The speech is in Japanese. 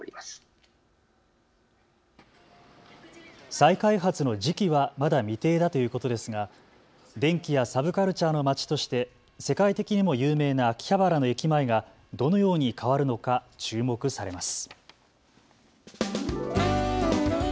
再開発の時期はまだ未定だということですが電気やサブカルチャーの街として世界的にも有名な秋葉原の駅前がどのように変わるのか注目されます。